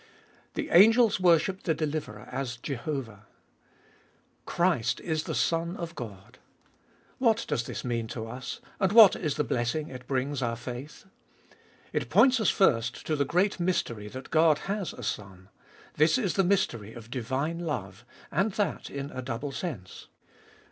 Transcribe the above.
The angels worship the deliverer as Jehovah. Christ is the Son of God ! What does this mean to us, and what is the blessing it brings our faith ? It points us first to the great mystery that God has a Son. This is the mystery of divine love ; and that in a double sense.